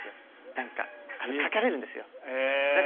何か書かれるんですよ。